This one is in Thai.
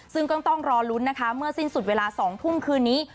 ซึ่งก็ต้องรอลุ้นนะคะเมื่อสิ้นสุดเวลา๒ทุ่มคืนนี้